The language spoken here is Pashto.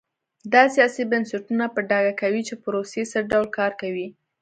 دا سیاسي بنسټونه په ډاګه کوي چې پروسې څه ډول کار کوي.